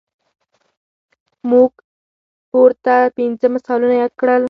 موږ پورته پنځه مثالونه یاد کړل.